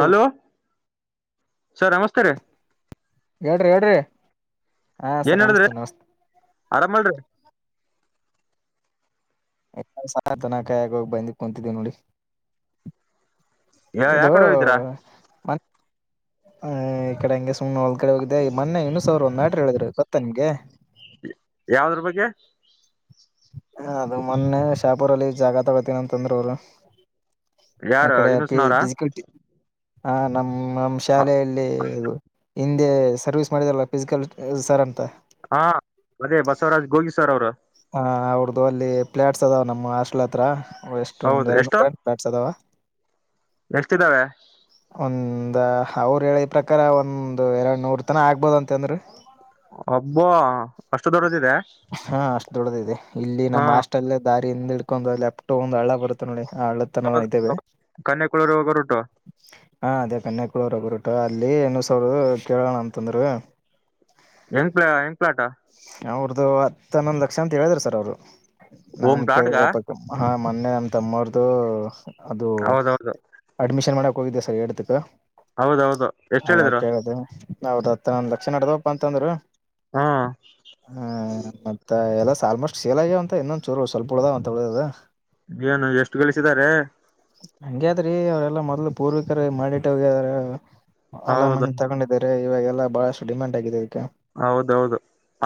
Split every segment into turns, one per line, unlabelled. Hello sir ನಮಸ್ತೆ ರಿ.
ಹೆಲ್ಡ್ರಿ ಹೆಲ್ಡ್ರಿ.
ಏನ್ ಹೇಳಿದ್ರಿ ಆರಾಮಲ್ರಿ.
ದನಕಾಯಗೋಗಿ ಬಂದ ಕುಂತಿದ್ದೀವ ನೋಡಿ.
ಯಾವ
ಇದೂ.
ಕಡೆ ಹೋಗಿದ್ದೀರಾ
ಹ ಇ ಕಡೆ ಎಂಗ ಸುಮ್ನೆ ಹೋ ಕಡೆ ಹೋಗಿದೆ ಮೊನ್ನೆ ಯೂನಿಸ್ ಸರ್ ಒಂದ್ ಮ್ಯಾಟರ್ ಹೇಳಿದರು.
ಯಾವದ್ರ ಬಗ್ಗೆ.
ಹ ಅದು ಮೊನ್ನೆ ಶಾಪುರಲ್ಲಿ ಜಾಗ ತಗೋತೀನ ಅಂತಂದ್ರು ಅವ್ರ.
ಯಾರ
ಅಕಡೆ ಪಿ
ಯುನುಸ್ನವ್ರ
ಪಿಜಿಕಲ್ಟಿ. ಹಾ ನಮ್ಮ‌. ಹ್ಮ ನಮ್ಮ ಶಾಲೆಯಲ್ಲಿ ಇನ್. ಇ ಸರ್ವಿಸ್ ಮಾಡಿದಲ್ಲ ಫಿಸಿಕಲ್ ಸರ್ ಅಂತ.
ಹಾ ಅದೇ ಬಸವರಾಜ್ ಗೋಗಿ ಸರ್ ಅವರು.
ಹಾ ಅವರ್ದು ಅಲ್ಲಿ ಪ್ಲಾಟ್ಸ್ ಅದಾವೆ ನಮ್ಮ ಹಾಸ್ಟೆಲ್ ಹತ್ರ. ಓ ಎಷ್ಟು ಒಂದು ಎರಡು ಬೆನ್ ಪ್ಲಾಟ್ಸ್ ಅದಾವ.
ಎಷ್ಟಿದ್ದಾವೆ.
ಒಂದ್ ಅವ್ರು ಹೇಳಿದ್ ಪ್ರಕಾರ ಒಂದು ಎರಡ್ ನೂರ್ ತನ ಆಗ್ಬೋದ ಅಂತ ಅಂದ್ರು.
ಒಬ್ಬೊ ಅಷ್ಟ ದೊಡ್ಡ.
ಹಾ ಅಷ್ಟು ದೊಡ್ಡದಿದೆ ಇಲ್ಲಿ
ಹಾ
ನಮ್ಮ ಹಾಸ್ಟೆಲ ದಾ ಹಿಂದ ಇಡ್ಕೊಂಡ್ ಲೆಫ್ಟ್ ಒಂದು ಹಳ್ಳ ಬರುತ್ತ ನೋಡಿ. ಆ ಹಳ್ಳತನ ಇದ್ದೇವೆ
ಕನ್ನಯ ಕುಳರಿ ಹೋಗರು ಟು.
ಹಾ ಅದೇ ಕನ್ಯಕುಳರುಗರುಟ ಅಲ್ಲಿ ಹೊ ಸಾವಿರ ಕೇಳೋಣ ಅಂತಂದ್ರ.
[unintelligible] [unintelligible]
ಅದು ಹತ್ತ ಹನ್ನೊಂದ್ ಲಕ್ಷ ಅಂತ ಹೇಳಿದ್ರ ಸರ್ ಅವ್ರು.
ಓಮ್
ನಾನ್
ಪ್ಲಾಟ್ಗ
ಕೇಳ್ರಪ್ಪ ಹ. ಮೊನ್ನೆ ನಮ್ಮ ತಮ್ಮರದು. ಅದು
ಹೌದೌದು
ಅಡ್ಮಿಷನ್ ಮಾಡ. ಹೋಗಿದ್ದೆ ಸರ್ ಏಡತಕ್ಕ.
ಹೌದೌದು ಎಷ್ಟು ಹೇಳಿದ್ರು.
ಹೌದ್ ಹತ್ತ ನಂದ್ ಲಕ್ಷ ನಡದವಪ್ಪ ಅಂತಂದ್ರರು.
ಹಾ
ಹ್ಮ ಮತ್ತ ಎಲ್ಲ. ಆಲ್ಮೋಸ್ಟ್ ಸೇಲಾಗ್ಯ ಅಂತ ಇನ್ನೊಂದ ಚೂರು ಸ್ವಲ್ಪ ಉಳದಾವ ಅಂತ ಉಳಿಯದ.
ಏನು ಎಷ್ಟು ಗಳಿಸಿದ್ದಾರೆ
ಹಂಗ್ಯಾದ್ರಿ ಅವ್ರೆಲ್ಲಾ ಮೊದ್ಲು ಪೂರ್ವಿಕರ ಮಾಡಿಟ್ಟ ಹೋಗ್ಯಾರ. ಹೊಲ
ಹೌದು
ಮನಿ ತಗೊಂಡಿದ್ದೀರಿ ಇವಾಗ. ಎಲ್ಲ ಬಹಳಷ್ಟು ಡಿಮಂಡ್ ಆಗಿದೆ.
ಹೌದೌದು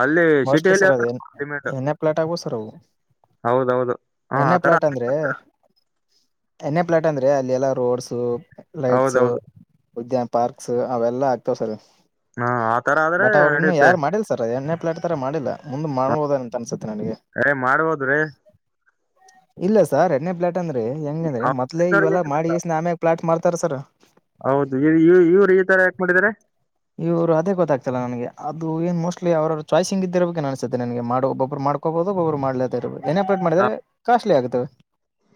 ಅಲ್ಲಿ
ಮೋಸ್ಟ್ಲಿ
ಸಿಟಿಯಲ್ಲಿ
ಸರ್ ಅದ
ಡಿಮ್ಯಾಂಡ್
ಏನ್ನೇ ಪ್ಲಾಟ್ ಆಗ್ಬಹುದು ಸರ್ ಅವು.
ಹೌದೌದು ಹ ಆತರ [unintelligible]
ಎಣ್ಣೆ ಪ್ಲಾಟ್ ಅಂದ್ರೆ ಅಲ್ಲಿ ಎಲ್ಲಾ ರೋಡ್ಸ್.
ಹೌದೌದು
ಲೈಟ್ಸು. ಉದ್ಯಾನ ಪಾರ್ಕ್ಸ್ ಅವೆಲ್ಲಾ ಹಾಕ್ತವ ಸರ್.
ಹ್ಮ ಆತರ ಆದ್ರೆ
ಬಟ್ ಅವ್ರು ಇನ್ನು
ನಡೆಯುತ್ತೆ.
ಯಾರು ಮಾಡಿಲ್ಲ ಸರ್ ಎನ್ ಎ ಪ್ಲಾಟ್ ತರ ಮಾಡಿಲ್ಲ ಮುಂದ ಮಾಡಬಹದ ಅಂತ ಅನ್ಸುತ್ತೆ. ನನಗೆ
ಏ ಮಾಡ್ಬೋದ್ರೀ.
ಇಲ್ಲ ಸಾರ್ ಎನ್ ಎ ಪ್ಲಾಟ್ ಅಂದ್ರೆ. ಹೆಂಗಂದ್ರೆ
ಅವ್
ಮೊದ್ಲೇ
ಅವ್ರಿಗೆ
ಇವೆಲ್ಲ
ಎಷ್ಟ್-
ಮಾಡಿಗೆಸ್ಸಿಂದ ಆಮೇಲೆ ಪ್ಲಾಟ್ ಮಾರತ. ತರ ಸರ.
ಹೌದು ಇವ್ ಇವ್ ಇವ್ರು ಈ ತರ ಯಾಕೆ ಮಾಡಿದಾರೆ
ಇವರು ಅದೇ ಗೊತ್ತಾಗ್ತಲ್ಲ ನನಗೆ ಅದು ಏನು ಮೋಸ್ಟ್ಲಿ ಅವರ ಚಾಯ್ಸಿಂಗ್ ಇದ್ದ ಇರಬೇಕಏ ಅನ್ಸುತ್ತೆ ನನ್ಗೆ ಮಾಡಿ ಒಬೊಬ್ರು ಮಾಡ್ಕೋಬೋದು ಒಬ್ರು ಮಾಡ್ಲಾರ್ದೆ ಇರ್ಬೇಕು. [unintelligible]
ಹ,
ಮಾಡಿದ್ರೆ ಕಾಸ್ಟ್ಲಿ ಆಗುತ್ತೆ,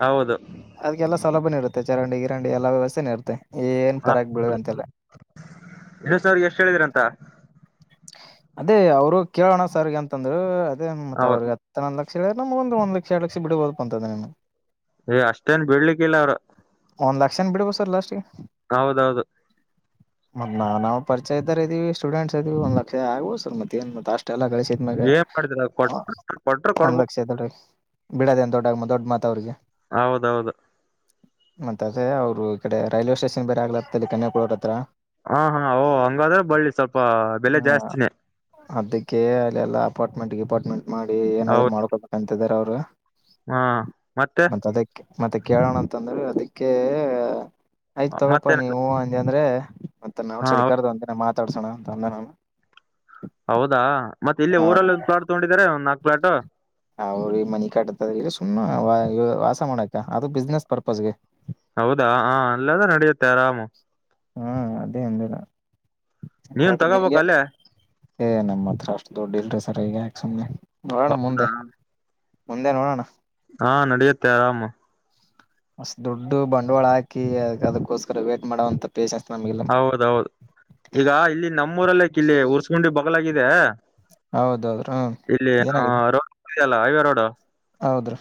ಹೌದು
ಅದಕ್ಕೆಲ್ಲ ಸೌಲಭ್ಯನ ಇರುತ್ತೆ ಚರಂಡಿಗೆ. [unintelligible] ಎಲ್ಲ ವ್ಯವಸ್ಥೆನೆ ಇರುತ್ತೆ. ಏನ್ ಪರಕ್ ಬೀಳೋ ಅಂತಿಲ್ಲ.
[unintelligible] ಸರ್ ಎಷ್ಟ ಹೇಳಿದೀರಂತ.
ಅದೇ, ಅವ್ರು ಕೇಳೋಣ ಸರ್‌ಗೆ ಅಂತಂದ್ರು. ಅದೇ ಮತ್ತ
ಹೌದು
ಅವ್ರಿಗತ್ತನ್ನೊಂದ್ ಲ ಸರಿ, ನಮ್ ಅವ್ವಂದು ಒಂದ್ ಲಕ್ಷ, ಎರೆಡು ಲಕ್ಷ ಬಿಡ್ಬೋದಪ್ಪ ಅಂತಂದೇನು.
ಏ ಅಷ್ಟೇನ್ ಬಿಡ್ಲಿಕ್ಕಿಲ್ಲ ಅವ್ರ.
ಒಂದ್ ಲಕ್ಷನ ಬಿಡ್ಬೋದ್ ಸರ್, ಲಾಸ್ಟಿಗೆ.
ಹೌದೌದು.
ಮತ್ತೆ ನಾವ ನಾವು ಪರಿಚಯ ಇದ್ದರ ಇದ್ದೀವಿ ಸ್ಟೂಡೆಂಟ್ಸ್ ಇದೀವಿ ಒಂದ. ಆಗ್ಬೋದ ಸರ್, ಮತ್ತೆ ಏನ್ ಮತ್ತು ಅಷ್ಟು. ಇಷ್ಟೆಲ್ಲಾ ಗಳ್ಸಿದ್ಮ್ಯಾಗ,
ಏನ್ ಮಾಡಿದ್ರ ಕೊಟ್ರು ಕೊಟ್ರು
ಒಂದ್
ಕೊಡ್ಬೋದು
ಲಕ್ಷ ದೊಡ್ಡ ಬಿಡದ ಏನ್ ದೊಡ್ಡ ಮ ದೊಡ್ಡ ಮಾತು ಅವ್ರಿಗೆ.
ಹೌದೌದು.
ಮತ್ತದೆ ಅವರು ಈ ಕಡೆ ರೈಲ್ವೆ ಸ್ಟೇಷನ್ ಬೇರೆ ಆಗ್ಲತ್ತಲ್ಲಿ ಕನಾ ಕೋರ್ಟ್ ಹತ್ರ.
ಹಾ ಹಾನ್ ಓ ಹಂಗಾದ್ರೆ ಬಳ್ಳಿ ಸ್ವಲ್ಪ. ಬೆಲೆ ಜಾಸ್ತಿನೇ.
ಅದಕ್ಕೆ ಅಲ್ಲೆಲ್ಲ ಅಪಾರ್ಟ್ಮೆಂಟ್ಗೆ ಗಿಪಾರ್ಟ್ಮೆಂಟ್. ಮಾಡಿ
ಹೌದು
ಏನಾದ್ರು ಮಾಡ್ಕೊಬೇಕಂತ. ತ್ತಿದರ ಅವ್ರು.
ಹಾ ಮತ್ತೆ.
ಮತ್ತ ಅದಕ್ಕೆ ಮತ್ತೆ ಕೇಳೋಣ ಅಂತಂದ್ರೆ ಅದಕ್ಕೆ. ಆಯ್ತ್ ತಗೋಪ್ಪಾ,
ಮತ್ತೇನ
ನೀ ಹೂ ಅಂದ್ಯಾ ಅಂದ್ರೆ. ಮತ್ತೆ ನಾವಂದಿನ
ಹಾ
ಸೈಡಗಿ
ಹೌ-
ಕರೆದ ಒಂದ್ ದಿನ ಮಾ ತಾಡ್ಸೋಣ ಅಂತ ಅಂದೆ ನಾನು.
ಹೌದಾ ಮತ್ತೆ ಇಲ್ಲಿ
ಹೌದು
ಊರಲ್ಲಿ ಒಂದು ಪ್ಲಾಟ್ ತಗೊಂಡಿದಿದ್ದಾರೆ, ಒಂದ್ ನಾಕ್ ಪ್ಲಾಟ್.
ಅವ್ರ ಈ ಮನಿ ಕಟ್ಟತದರ. ಇಲ್ಲಿ ಸುಮ್ನೆ ವ-ವಾಸ ಮಾಡಾಕ್ಕ, ಅದು ಬಿಸ್ನೆಸ್ ಪರ್ಪಸ್‌ಗೆ.
ಹೌದಾ ಹ ಅಲ್ಲದೇ ನಡೆಯುತ್ತೆ ಆರಾಮು.
ಹ ಅದೇ ಅಂದೆ ನಾನು.
ನೀನ್
ಹಂಗಾದ್ರೆ ನಿಮ್ಗೆ,
ತಗೋಬೇಕಲ್ಲೇ
ಏ ನಮ್ಮ್ ಹತ್ರ ಅಷ್ಟು ದುಡ್ ಇಲ್ರಿ ಸರ್, ಈಗ. ಸುಮ್ನೆ. ನೋಡಣ
ಹೌದಾ
ಮುಂದೆ. ಮುಂದೆ ನೋಡೋಣ.
ಹಾ ನಡೆಯುತ್ತೇ ಆರಾಮು.
ಅಷ್ಟ ದೊಡ್ಡು ಬಂಡವಾಳ ಹಾಕಿ ಅದ ಅದಕ್ಕೋಸ್ಕರ ವೇಟ್ ಮಾಡೋಂತ. ಪೇಶನ್ಸ್ ನಮಗಿಲ್ಲ
ಹೌದೌದು ಈಗ ಇಲ್ಲಿ ನಮ್ಮೂರಲ್ಲೇ ಕಿಲ್ಲಿ ಉರ್ಸ್ಕುಂಡಿ ಬ ಲಗಿದೆ.
ಹೌದೌದ್ರ ಹ್ಮ ಏನಾಗಿದೆ.
ಎಲ್ಲ ಹೈ ವೆ ರೋಡ್.
ಹೌದ್ರ.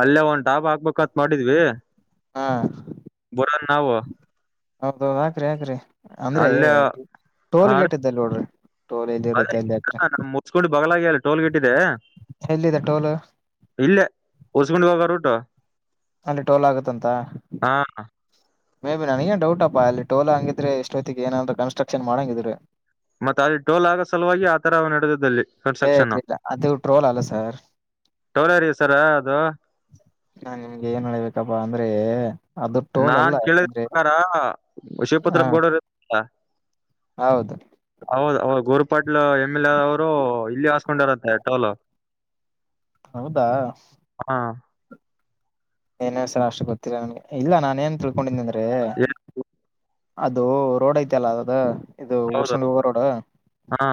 ಅಲ್ಲೇ ಒನ್ ಡಾಬಾ ಹಾಕ್ಬೇಕತ್ ಮಾಡಿದ್ವಿ.
ಹಾ.
ಬರೋನ್ ನಾವು
ಹೌದೌದು ಹಾಕ್ರಿ ಹಾಕ್ರಿ ಅಂದ್ರೆ
ಅಲ್ಲೇ
ಟೋಲ್ ಗೇಟ್ ಇದ್ದಲ್ಲಿ ನೋಡ್ರಿ. ಟೋಲ್ ಎಲ್ಲಿ ಇರುತ್ತೆ ಅಲ್ಲಿ ಹಾಕ್ರಿ
[unintelligible] ಮುಚ್ಕೊಂಡು ಬಗ್ಲ. [unintelligible] ಟೋಲ್ ಗೇಟ್ ಇದೆ.
ಎಲ್ಲಿದೆ ಟೋಲ್
ಇಲ್ಲೇ ಹೊಸ್ಕೊಂಡ ಹೋಗ ರೋಡ್. [unintelligible]
ಅಲ್ಲಿ ಟೋಲ್ ಆಗತ್ತಂತ. ಮೇ ಬಿ ನನಗೇನ್ ಡೌಟ್ ಅಪ್ಪಾ ಅಲ್ಲಿ ಟೋಲ ಹಾಗಂಗಿದ್ರೆ ಎಷ್ಟೊತ್ತಿಗೆ ಏನದ್ರು ಕನ್ಟ್ರಕ್ಷನ್ ಮಾಡಂಗಿದ್ರೆ.
ಮತ್ ಅಲ್ಲಿ ಟೋಲ್ ಆಗ ಸಲುವಾಗಿ ಆ ತರ ನಡೆದದಲ್ಲಿ.
ಏನಿಲ್ಲ ಅದು ಟ್ರೋಲ್ ಅಲ್ಲ ಸರ್
ಟೋಲ್ ಏರಿಯಾ ಸರ್ ಅದು
ನಾ ನಿಮ್ಗೆ ಏನ್ ಹೇಳ್ಬೇಕಪ್ಪ ಅಂ ಅಂದ್ರೆ. ಅದು ಟೋಲ್ ಅಲ್ಲ
ನಾನ್ ಕೇಳಿದ
ಯಾಕಂದ್ರೆ
ಪ್ರಕಾರ ಶಿವಪತ್ರ
ಹ
ಗೌಡರಲ್ಲ.
ಹೌದು
ಹೌದು ಹೌದು ಗೋರ್ ಇಲ್ಲ ಎಮ್ ಎಲ್ ಎ ಅವರು ಇಲ್ಲಿ ಹಾಸ್ಕೊಂಡರಂತ್ತೆ ಟೋಲ್
ಹೌದಾ
ಹಾ.
ಏನೇ ಸರ್ ಅಷ್ಟು ಗೊತ್ತಿಲ್ಲ ನನ್ಗೆ ಇಲ್ಲ ನಾನ ಏನ್ ತಿಳ್ಕೊಂಡಿದ್ದನಂದರೆ.
ಏ-
[unintelligible] ಅದು ರೋಡ್ ಐತ ಅಲ್ಲ ಅದದ. ಇದು
ಹೌದು
ಊರ್ಸುಂಡಿ ಹೋಗರೋಡ.
ಹಾ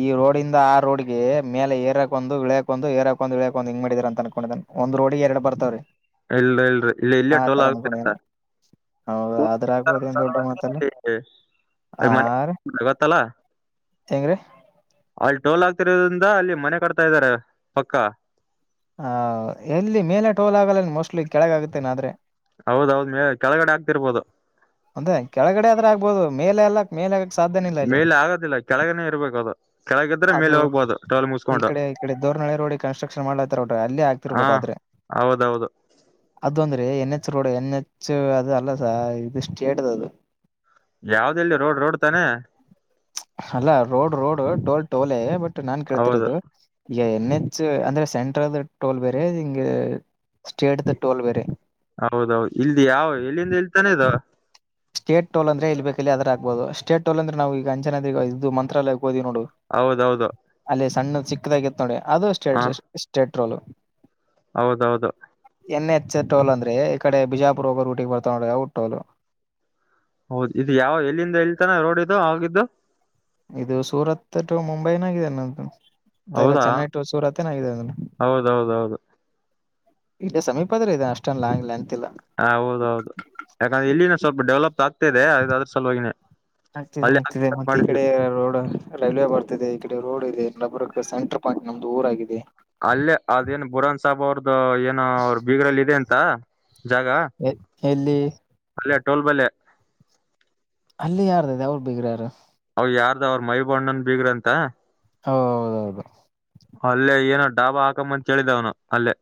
ಈ ರೋಡಿಂದ ಆ ರೋಡ್ಗೆ ಮೇಲೆ ಏರಾಕ ಒಂದು ಇಳ್ಯಕೊಂಡ್ ಏರಾಕೊಂದು ಇಳ್ಯಕಂದು ಹಿಂಗ ಮಾಡಿದಾರ ಅಂತ ಅನ್ಕೊಂಡಿದೆ ಒಂದ್ ರೋಡ್ಗೆ ಎರಡು ಬರ್ತವ್ರಿ.
ಇಲ್ ಇಲ್ರಿ ಇಲ್ಲೆ ಟೋಲ್ ಆಗುದತ್ತ.
ಹೌದು.
[unintelligible]
ಆರ್ ಹೆಂಗ್ರಿ
ಅಲ್ಲಿ ಟೋಲ್ ಆಗ್ತಿರೋದ್ರಿಂದ ಅಲ್ಲಿ ಮನೆ ಕಟ್ತಾ ಇದ್ದಾರೆ ಪಕ್ಕ.
ಹ ಎಲ್ಲಿ ಮೇಲೆ ಟೋಲ್ ಆಗಲಿನ್ನ ಮೋಸ್ಟ್ಲಿ ಕೆಳಗ ಆಗುತ್ತೇನ ಆದ್ರೆ.
ಹೌದೌದ ಮೇ ಕೆಳಗಡೆ ಆಗ್ತಿರ್ಬೋದು.
ಅಂದ್ರೆ ಕೆಳಗಡೆ ಆದ್ರೆ ಆಗ್ಬೋದು ಮೇಲೆ ಅಲ್ಲ.
ಮೇಲೆ ಆಗೋದಿಲ್ಲ ಕೆಳಗನೇ ಇರ್ಬೇಕು ಅದು. ಕೆಳಗಿದ್ರೆ
ಅದು
ಮೇಲೆ ಹೋಗ್ಬೋದು ಟೋಲ್
ಈ
ಮುಸ್ಕೊಂಡು
ಕಡೆ ಈ ಕಡೆ ದೋರ್ನಳೆ ರೋಡಿಗೆ ಕನ್ಸ್ಟ್ರಕ್ಷನ್ ಮಾಡ್ಲತಾರೋಡ್ರೆ ಅಲ್ಲೇ
ಹಾ
ಆಗ್ತಿರ್ಬೋದು ಆದ್ರೆ
ಹೌದೌದು
ಅದು ಅಂದ್ರೆ ಎನ್. ಚ್ ರೋಡ್ ಎನ್ ಹೆಚ್ ಅದು ಅಲ್ಲ ಸ ಇದು ಸ್ಟೇಟ್ದ ಅದು.
ಯಾವ್ದಲ್ಲಿ ರೋಡ್ ರೋಡ್ ತಾನೆ.
ಚ ಅಲ್ಲ ರೋಡ್ ರೋಡ್ ಟೋಲ್ ಟೋಲೆ ಬಟ್. ನಾನ್
ಹೌದು
ಕೇಳ್ತಿರೋದು. ಎನ್ ಹೆಚ್ ಅಂದ್ರೆ ಸೆಂಟ್ರಲ್ ಟೋಲ್ ಬೇರೆ ಹಿಂಗ ಸ್ಟೇಟ್ ದ ಟೋಲ್ ಬೇರೆ.
ಹೌದೌದು ಇಲ್ದ ಯಾವ ಎಲ್ಲಿಂದ ಇಲ್ತಾನೆ ಇದು.
ಸ್ಟೇಟ್ ಟೋಲ್ ಅಂದ್ರೆ ಎಲ್ಲ ಬೇಕು ಅಲ್ಲಿ ಹಾಕ್ಬೋದು ಸ್ಟೇಟ್ ಟೋಲ್ ಅಂದ್ರೆ ಈಗ ಅಂಜನಾದ್ರಿ ಇದು ಮಂತ್ರಾಲಯ. ಹೋದ್ವಿ ನೋಡು
ಹೌದೌದು
ಅಲ್ಲೇ ಸಣ್ಣ. ಚಿಕ್ಕಾಗಿತ್ತು ನೋಡಿ. ಅದು
ಹ
ಸ್ಟೇಟ್-ಸ್ಟ್ -ಸ್ಟೇಟ್. ಟೋಲು
ಹೌದೌದು
ಎನ್ ಹೆಚ್ ಟೋಲ್ ಅಂದ್ರೆ ಈಕಡೆ ಬಿಜಾಪುರ್ ಹೋಗೋ ರೂಟಿಗೆ ಬರ್ತಾವ ನೋಡ ಅವು ಟೋಲ್.
ಹೌದು ಇದು ಯಾವ ಎಲ್ಲಿಂದ ಎಲ್ತಾನ ರೋಡ್ ಇದು ಆಗಿದ್ದು.
ಇದು ಸೂರತ್ ಟು ಮುಂಬೈನಾಗಾಗಿದೆ ನದು. ಮತ್ತ ಇಲ್ಲ
ಹೌದಾ
ಚೆನ್ನೈ ಟು ಸೂರತ್ತ ಏನೊ ಆಗಿದೆ [unintelligible]
ಹೌದೌದೌದು
ಇಲ್ಲ ಸಮೀಪದ್ರೆ ಇದ ಅಷ್ಟೊನ್ ಲಾಂಗ ಲೆಂತ್ ಇಲ್ಲ.
ಹ ಹೌದೌದು ಯಾಕಂದ್ರೆ ಇಲ್ಲಿನ ಸ್ವಲ್ಪ ಡೆವಲಪ್ ಆತ್.
ಆಗ್ತಿದೆ
ಅಲ್ಲಿ
ಆಗ್ತಿದೆ ಮತ್ತೆ ಈ
ಮಾಡ
ಕಡೆ ರೋಡ್ ರೈಲ್ವೆ ಬರ್ತಿದೆ. ಈ ಕಡೆ ರೋಡ್ ಇದೆ ನಬರ್ ಸೆಂಟರ್ ಪಾಯಂಟ್ ನಮ್ದ ಊರ್ ಆಗಿದೆ.
ಅಲ್ಲೇ ಅದೇನ್ ಬುರಂದ್ ಸಾಬ್ ಅವ್ರ್ದ. ದು ಏನು ಅವರು ಬೀಗ್ರಲ್ಲಿ ಇದೆ ಅಂತ. ತಾ ಜಾಗ
ಎಲ್ಲಿ.
ಅಲ್ಲೆ ಟೋಲ್ ಬಲ್ಲಿ.
ಅಲ್ಲಿ ಯಾರ್ದದ ಅವರು ಬಿಗ್ರಾರು.
ಯಾರ್ದ ಅವ್ರ ಮೈಬಣ್ಣನ್ ಬೀಗ್ರಂತ.
ಹೌದೌದು.
ಡಾಬ ಹಾಕಂಬಂತ ಹೇಳಿದ್ದವನು ಅಲ್ಲೇ.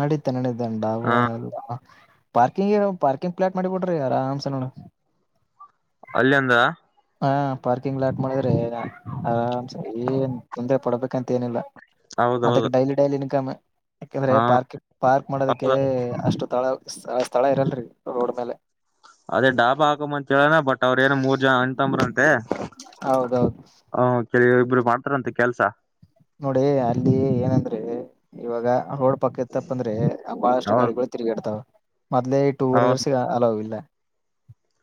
ನಡೀತೆ ನಡೀತೆ ಅಂಡ ಡಾಬ
ಹ
ಎಲ್ಲ. ಪಾರ್ಕಿಂಗ್ ಪಾರ್ಕಿಂಗ್ ಪ್ಲಾಟ್ ಮಾಡಿಬಿಡ್ರಿ ಆರಾಮ್ಸ ನೋಡ.
ಅಲ್ಲಿಂದ.
ಹಾ ಪಾರ್ಕಿಂಗ್ ಲಾಟ್ ಮಾಡಿದ್ರೆ ಆರಾಮ್ಸ ಏನ್ ತೊಂದರೆ ಪಡ್ಬೇಕಂತ ಏನಿಲ್ಲ. ಅದಕ್ಕೆ
ಹೌದೌದು
ಡೈಲಿ ಡೈಲಿ ಇನ್ಕಮ್ ಯಾಕಂದ್ರೆ
ಹಾ
ಪಾರ್ಕ್ ಪಾರ್ಕ್ ಮಾಡೋದಕ್ಕೆ
ಹೌದ
ಅಷ್ಟು ತೊಗಳಲ್ಲ. ಸ್ಥಳ ಇರಲ್ರರಿ ರೋಡ್ ಮೇಲೆ.
ಅದೇ ಡಾಬಾ ಹಾಕಮಂತ. ಕೇಳೋಣ ಬಟ್ ಅವರು ಏನ ಮೂರ್ ಜನ ಅಣ್ ತಮ್ಮರಂತೆ
ಹೌದೌದು
ಹೌದ್. ಕೆಲವ ಇಬ್ರು ಮಾಡ್ತಾರಂತ ಕೆಲ್ಸ.
ನೋಡಿ ಅಲ್ಲಿ ಏನಂದ್ರೆ ಇವಾಗ ಅವ್ರ್. ಪಕ್ಕ ಇತ್ತಪ್ಪ ಅಂದ್ರೆ ಬಹಳಷ್ಟು
ಹೌದು
ಗಾಡಿಗಳು ತಿರ್ಗಿಡ್ತಾವ. ಮದಲೇ ಈ ಟೂ
ಹೌದು
ವೀಲೇರ್ಸ್ ಅಲೌ ಇಲ್ಲ.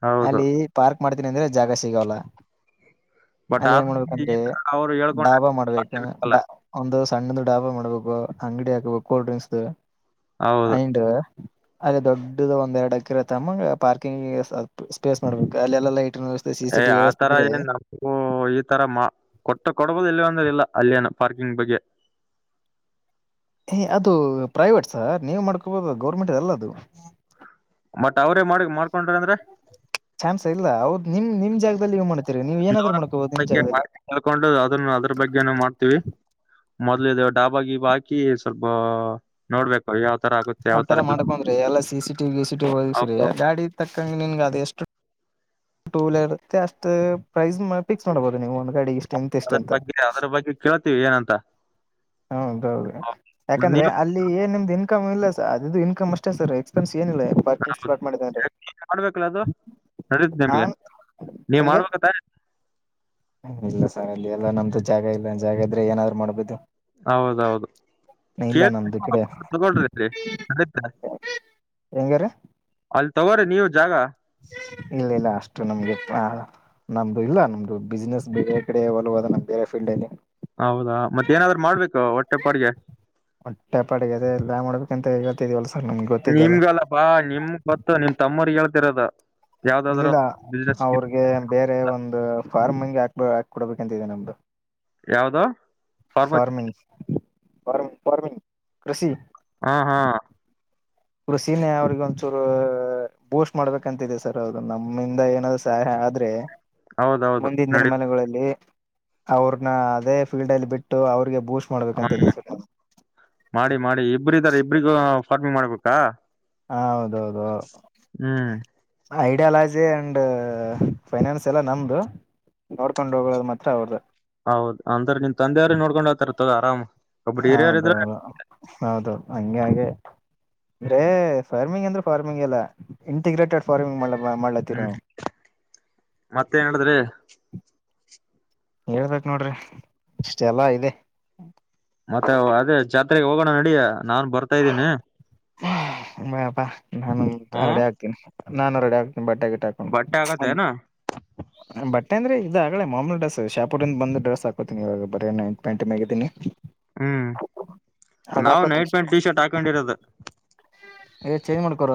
ಹೌದು
ಅಲ್ಲಿ ಪಾರ್ಕ್. ಮಡ್ತೀನಿ ಅಂದ್ರೆ ಜಾಗ ಸಿಗಲ್ಲ.
ಬಟ್
ಅಲ್ಲಿ
ಆದ
ಏನ್ ಮಾಡ್ಬೇಕಂದ್ರೆ
ಅವ್ರು ಹೇಳ್ಕೊಂಡ್ರೆ
ಡಾಬಾ ಮಾಡ್ಬೇಕು. ಡ
ಮಾಡ್ಲೇಬೇಕಲ್ಲ
ಒಂದು ಸಣ್ಣದು ಡಾಬಾ ಮಾಡ್ಬೇಕು. ಅಂಗಡಿ ಹಾಕಬೇಕ ಕೂಲ್ ಡ್ರಿಂಕ್ಸ್ ದ.
ಹೌದು
ಅಂಡ್. ಅಲ್ಲಿ ದೊಡ್ಡದ ಒಂದ ಎರಡ್ ಎಕ್ರೆ ತಮ್ಮಗೆ ಪಾರ್ಕಿಂಗ್ ಸಪ್ ಸ್ಪೇಸ್ ಮಾಡ್ಬೇಕು ಅಲ್ಲೆಲ್ಲ ಲೈಟ್.
ಏ ಆತರ ಏನ್ ನಮಗೂ ಈ ತರ ಮಾ ಕೊಟ್ಟ ಕೊಡ್ಬೋದು ಇಲ್ಲಿ ಅಂದ್ರ ಇಲ್ಲ ಅಲ್ಲೆನು. ಪಾರ್ಕಿಂಗ್ ಬಗ್ಗೆ.
ತಿ ಅದು ಪ್ರೈವೇಟ್ ಸರ್ ನೀವು ಮಾಡ್ಕೊಬೋದು ಗೌರ್ಮೆಂಟ್ದಲ್ಲ ಅದು.
ಮತ್ ಅವ್ರೇ ಮಾಡಿ ಮಾಡ್ಕೊಂಡ್ರ ಅಂದ್ರೆ.
ಚಾನ್ಸೆ ಇಲ್ಲ ಹೌದು. ನಿಮ್ ನಿಮ್ ಜಾಗದಲ್ಲಿ ನೀವು ಮಾಡ್ತೀರಿ ನೀವ್ ಏನಾದ್ರು
[unintelligible]
ಮಾಡ್ಕೋಬಹುದು ನಿಮ್
ಬಗ್ಗೆ
ಜಾಗದಲ್ಲಿ
ಮಾಹಿತಿ ತಿಳ್ಕೊಂಡು ಅದ್ರ ಅದ್ರ ಬಗ್ಗೆನೆ ಮಾಡ್ತೀವಿ. ಮೊದ್ಲುದು ಡಾಬಾ ಗಿಬ ಹಾಕಿ ಸ್ವಲ್ಪ ನೋಡ್ಬೇಕು ಯಾವ. ತರ ಆಗುತ್ತೆ ಯಾವ
ಆತರ
ತರ ಇಲ್ಲ
ಮಾಡ್ಕೊಂಡ್ರಿ ಎಲ್ಲಾ C C T V C T ಒದಸ್ರಿ
ಅವ್ರು
ಗಾಡಿ. ತಕ್ಕಂಗೆ ನಿನ್ಗೆ ಅದು ಎಷ್ಟು. ಟೂ ವೀಲರ್ ಇರತ್ತೆ ಅಷ್ಟು ಪ್ರೈಸ್ ನ ಫಿಕ್ಸ್ ಮಾಡ್ಬಬೇಕ. ನೀವು ಒಂದಗಾಡಿ ಇಷ್ಟ ಇಂತ ಇಷ್ಟ
ಅದ್ರ
ಅಂತ
ಬಗ್ಗೆ ಅದ್ರ ಬಗ್ಗೆ ಕೇಳ್ತೀವಿ ಏನಂತ
ಹೌದೌದು
ಮತ್ತ್
ಯಾಕಂದ್ರೆ
ನೀವು
ಅಲ್ಲಿ ಏನ್ ನಿಮ್ದ. ಇನ್ಕಮ ಇಲ್ಲ ಸ ಅದು ಇನ್ಕಮ ಅಷ್ಟೇ ಸರ್ ಎಕ್ಸ್ಪೆನ್ಸ್. ಏನಿಲ್ಲ ಪಾರ್ಕಿಂಗ್ ಸ್ಲಾಟ್ ಮಾಡಿದಂದ್ರೆ.
ಮಾಡ್ಬೇಕಲ್ಲ ಅದು
ಆನ್
[unintelligible] ನೀವ್
ಹೆಂಗೆ
ಮಾಡ್ಬೇಕತ್ತ.
ಇಲ್ಲ ಸರ್ ಅಲ್ಲಿ ಎಲ್ಲಾ ನಮ್ದು ಜಾಗ ಇಲ್ಲ ಜಾಗ ಇದ್ರೆ ಏನಾದ್ರು ಮಾಡ್ಬೋದು.
ಹೌದೌದು
ಇಲ್ಲ ನಮ್ದು ಕಡೆ
[unintelligible] ನಡತ
ಹೆಂಗಾರ
ಅ. ತಗೋರಿ ನೀವು ಜಾಗ.
ಇಲ್ಲ ಇಲ್ಲ ಅಷ್ಟು ನಮ್ಗೆ ಆ ನಮ್ದು ಇಲ್ಲ ನಮ್ದು ಬಿಸ್ನೆಸ್ ಬೇರೆ ಕಡೆ ಒಲವದ ನಮ್ದು ಬೇರೆ ಫೀಲ್ಡ್ ಅಲ್ಲಿ.
ಹೌದಾ ಮತ್ತೇಏನಾದ್ರು ಮಾಡ್ಬೇಕು ಹೊಟ್ಟೆಪಾಡಿಗೆ.
ಹೊಟ್ಟೆಪಾಡಿಗೆ ಅದೇ ಎಲ್ಲ ಮಾಡ್ಬೇಕಂತ [unintelligible] ಗೊತ್ತಿದ್ದಲ್ಲ
ನಿಮ್ಗಲ್ಲ ಬಾ ನಿಮ ಗೊತ್ತು ನಿಮ್ ತಮ್ಮರ್ ಹೇಳ್. ತಿರದ.
ಇಲ್ಲಿಲ್ಲ ಅವ್ರಿಗೆ ಬೇರೆ ಒಂದ್. ಫಾರ್ಮಂಗ್ ಹಾಕ್ಬ ಹಾಕ್ ಕೊಡ್ಬೇಕಂತಿದೆ ನಮ್ದು.
ಯಾವ್ದ.
ಫಾರ್ಮಿಂಗ್. ಫಾರ್ಮ್ ಫಾರ್ಮಿಂಗ್ ಕೃಷಿ.
ಹಾ ಹಾ
ಕೃಷಿನೇ ಅವ್ರಗ ಒಂಚೂರು ಬೂಸ್ಟ್ ಮಾಡ್ಬೇಕಂತಿದೆ ಸರ್ ಅವರು ನಮ್ಮಿಂದ ಏನಾದ್ರು ಸಹಾಯ ಆದ್ರೆ.
ಹೌದೌದು
ಮುಂದಿನ
ನಡಿ
ದಿನಮನಗಳಲ್ಲಿ. ಅವ್ರನ್ನ ಅದೇ ಫೀಲ್ಡ್ ಲ್ಲಿ ಬಿಟ್ಟು ಅವ್ರಿಗೆ ಬೂಸ್ಟ್.
ಹ,
ಮಾಡ್ಬೇಕಂತ ಇದಿವಿ ಸಾರ್ ನಾವು.
ಮಾಡಿ ಇಬ್ಬರು ಇದ್ದಾರೆ ಇಬ್ರಿಗೂ ಫಾರ್ಮಿಂಗ್ ಮಾಡ್ಬೇಕು. ಕ
ಹ ಹೌದು [unintelligible] ಐಡಿಯಾಲಜಿ ಅಂಡ್ ಫೈನಾನ್ಸ್ ಎಲ್ಲ ನಮ್ದು ನೋಡ್ಕೊಂಡ್ ಹೋಗದು ಮಾತ್ರ ಅವ್ರದು.
ಹೌದ್ ಅಂದ್ರೆ ನಿನ್ ತಂದೆಯವ್ರೇ ನೋಡ್ಕೊಂಡ್ ಹೋಗತಾರ ತೊಗೋ ಆರಾಮ್. ಒಬ್ರು ಹಿರಿಯರ್ ಇದ್ರ
ಹೌದೌದು ಹೌದು ಹಂಗ ಹಾಗೆ ಅಂದ್ರೆ ಫಾರ್ಮಿಂಗ್ ಅಂದ್ರೆ ಫಾರ್ಮಿಂಗ್ ಅಲ್ಲ ಇಂಟಿಗ್ರೇಟೆಡ್ ಫಾರ್ಮಿಂಗ್ ಮಾಡಲ
ಹ್ಮ್ ಮತ್ತೇನ್ ನಡೆದದ್ರಿ.
ಹೇಳ್ಬೇಕ ನೋಡ್ರಿ ಇಷ್ಟೆಲ್ಲಾ ಇದೆ.
ಮತ್ತೆ ಅದೇ ಜಾತ್ರೆಗೆ ಹೋಗೋಣ ನಡಿಯ ನಾನ್ ಬರ್ತಾ ಇದ್ದೀನಿ.
ಬಾ ಬಾ ನಾನು
ಹ
ಅ ರೆಡೆ ಆಕ್ತೀನಿ. ನಾನು ರೆಡಿ ಆಗ ಬಟ್ಟಾಗಿಟ್ಟ ಹಾಕೊಂಡ
ಬಟ್ಟೆ ಆಗತ್ತೇನ
ಬಟ್ಟ. ಅಂದ್ರೆ ಇದಾಗೇ ಮಾಮೂಲ ಡ್ರೆಸ್ ಶಾಪೂರಿಂದ ಬಂದು ಡ್ರಸ್ ಹಾಕತಿನಿವಾಗ ಬರೆ ನೈಟ್ ಪ್ಯಾಂಟ್ಮಗಿದ್ದೀನಿ.
ಹ್ಮ್ ನಾವು
ಹಾಕೋತೀನಿ
ನೈಟ್
ಸ್ವಲ್ಪ
ಪ್ಯಾಂಟ್ ಟೀ ಶರ್ಟ್ ಹಾಕೊಂಡಿರೋದ.
ಏ ಚೇಂಜ್ ಮಾಡ್ಕೋರ.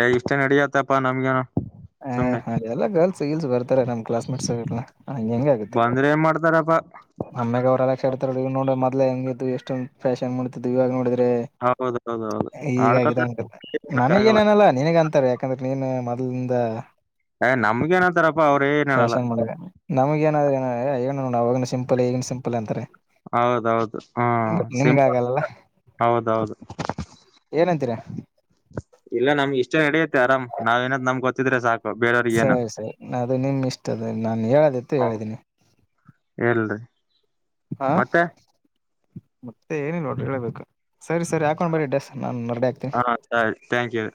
ಏ ಇಷ್ಟೇ ನಡಿಯತ್ತಪ್ಪಾ ನಮ್ಗೇನ.
ಹ ಹಾಗ ಎಲ್ಲ ಗರ್ಲ್ಸ್ ಗೀಲ್ಸ್ ಬರ್ತಾರೆ ನಮ್ ಕ್ಲಾಸ್ಮೇಟ್ಸ್ ಹಂಗ ಹೆಂಗ ಆಗುತ್ತೆ.
ಬಂದ್ರೆ ಏನ್ ಮಾಡ್ತಾರಪ್ಪಾ
ಆಮ್ಯಾಗ ಅವರೆಲ್ಲ ಕ್ಷಡ್ತಾರ [unintelligible] ಎಷ್ಟೊಂದು ಫ್ಯಾಷನ್ ಮಾಡತ್ತು ಇವಾಗ ನೋಡ.
ಹೌದೌದೌದು
ಹಗಾಗಿದೆ
ಆಡ್ಕೊತ
ಉಂಟ
ಆಗಲ್ಲ
ನನಗೇನನಲ್ಲ ನಿನಗ ಅಂತಾರೆ ಯಾಕಂದ್ರೆ. ನೀನು ಮ ಮೊದಲಿಂದ.
ನಮಗ ಏನತಾರಪ್ಪ ಅವ್ರೇ ಏನೇನಲ್ಲ.
ಫ್ಯಾಷನ್ [unintelligible] ಗ ಸಿಂ. [unintelligible] ಏನು ಸಿಂಪಲ್ ಅಂತಾರೆ.
ಹೌದೌದು ಹಾ
ಬಟ್ ನಿಮ್ಗ
ಸಿಂಪಲ್
ಆಗಲ್ಲಲ್ಲ
ಹೌದೌದು.
ಏನಂತೀರಾ
ಇಲ್ಲ ನಮ್ಗೆ ಇಷ್ಟೆ ನಡೆಯತ್ತೆ ಆರಾಮ್ ನಾವ್ ಏನಾದ್ ನಮ್ಗ್ ಗೊತ್ತಿದ್ರೆ ಸಾಕು. ಬೇರೆಯವ್ರಿಗೆ ಏನು
ಸರಿ ಸರಿ ಅದು ನಿಮ್ ಇಷ್ಟ ಅದ ನಾನ್ ಹೇಳದಿತ್ತು ಹೇಳಿದ್ದೀನಿ
ಇಲ್ರಿ
ಹ
ಮತ್ತೆ
ಮತ್ತೆ ಏನಿಲ್ಲ ನೋಡರಿ ಹೇಳಬೇಕು. ಸರಿ ಸರಿ ಹಾಕೊಂಡ್ ಬರಿ ಡ್ರೆಸ್ ನಾನ್ರಡಿ ಆಗ್ತೀನ್.
ಹಾ ಸರಿ ಥ್ಯಾಂಕ್ ಯು